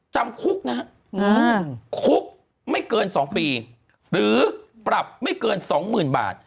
จำคุกนะฮะคุกไม่เกิน๒ปีหรือปรับไม่เกิน๒๐๐๐บาท